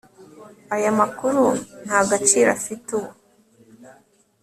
Aya makuru nta gaciro afite ubu